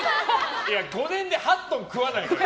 ５年で８トン食わないよ